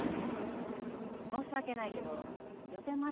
申し訳ないけど予定もあるし。